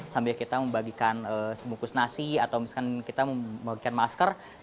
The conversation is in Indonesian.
sambil kita membagikan sebungkus nasi atau misalkan kita membagikan masker